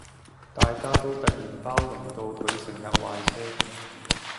大家都突然包容到佢成日壞車